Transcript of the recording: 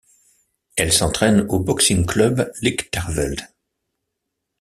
Elle s’entraine au Boxingclub Lichtervelde.